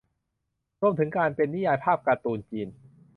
รวมถึงเป็นนิยายภาพการ์ตูนจีน